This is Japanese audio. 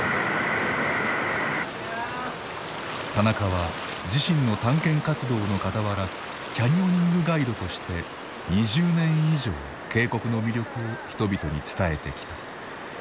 田中は自身の探検活動のかたわらキャニオニングガイドとして２０年以上渓谷の魅力を人々に伝えてきた。